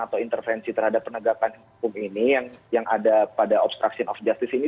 atau intervensi terhadap penegakan hukum ini yang ada pada obstruction of justice ini